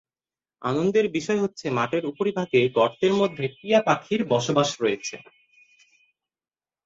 আনন্দের বিষয় হচ্ছে মঠের উপরিভাগে গর্তের মধ্যে টিয়া পাখির বসবাস রয়েছে।